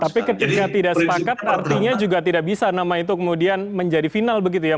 tapi ketika tidak sepakat artinya juga tidak bisa nama itu kemudian menjadi final begitu ya